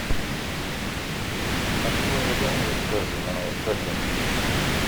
Ad twaliḍ ayen yeffer zzman ɣef wallen.